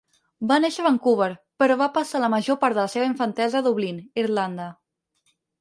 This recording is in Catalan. Va néixer a Vancouver, però va passar la major part de la seva infantesa a Dublín, Irlanda.